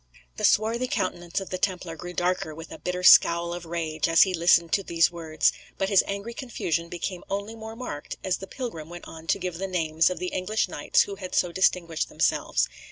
The swarthy countenance of the Templar grew darker with a bitter scowl of rage as he listened to these words; but his angry confusion became only more marked as the pilgrim went on to give the names of the English knights who had so distinguished themselves.